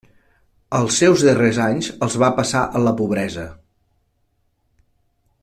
Els seus darrers anys els va passar en la pobresa.